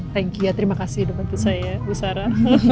terima kasih ya terima kasih udah bantu saya bu sara